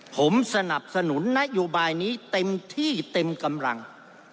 ผมสนับสนุนนโยบายนี้เต็มที่เต็มกำลัง